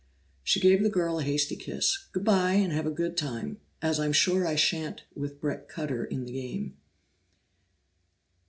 She gave the girl a hasty kiss. "Good bye, and have a good time, as I'm sure I shan't with Bret Cutter in the game."